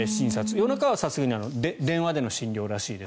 夜中はさすがに電話での診察らしいです。